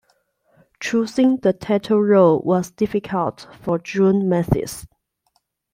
Choosing the title role was difficult for June Mathis.